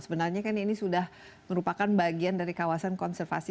sebenarnya kan ini sudah merupakan bagian dari kawasan konservasi